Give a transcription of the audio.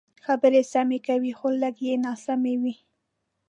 خبرې سمې کوې خو لکۍ یې ناسمې وي.